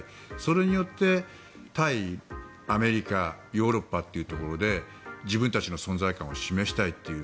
それによって対アメリカヨーロッパというところで自分たちの存在感を示したいという。